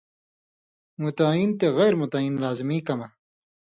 متعیّن تے غیر متعیّن لازمی کمہۡ